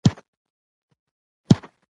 د دوی سلوک د احتیاط څخه کار اخیستل وو.